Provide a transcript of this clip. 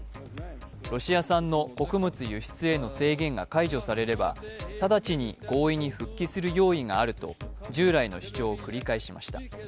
ロシア産の穀物輸出への制限が解除されれば直ちに合意に復帰する用意があると従来の主張を繰り返しました。